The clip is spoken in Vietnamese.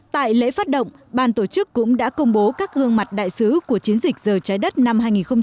tại lễ phát động ban tổ chức cũng đã công bố các gương mặt đại sứ của chiến dịch giờ trái đất năm hai nghìn một mươi chín